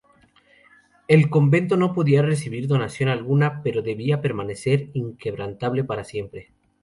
El convento no podía recibir donación alguna, pero debía permanecer inquebrantable para siempre.